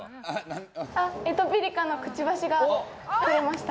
エトピリカのくちばしが取れました。